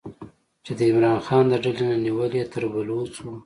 چې د عمران خان د ډلې نه نیولې تر بلوڅو